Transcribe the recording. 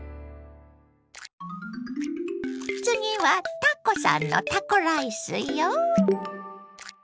次はタコさんのタコライスよ！